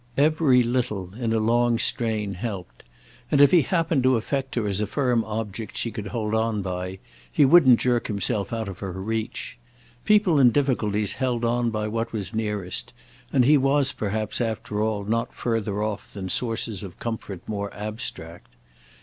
Every little, in a long strain, helped, and if he happened to affect her as a firm object she could hold on by, he wouldn't jerk himself out of her reach. People in difficulties held on by what was nearest, and he was perhaps after all not further off than sources of comfort more abstract.